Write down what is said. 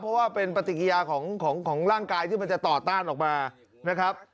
เพราะว่าเป็นปฏิกิยาของร่างกายที่มันจะต่อต้านออกมานะครับ